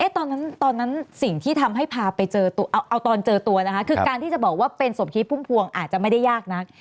ตอนนั้นสิ่งที่ทำให้พาไปเจอเอาตอนเจอตัวนะคะคือการที่จะบอกว่าเป็นสมคิดพุ่มพวงอาจจะไม่ได้ยากนัก